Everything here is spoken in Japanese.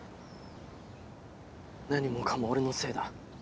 何もかも俺のせいだ。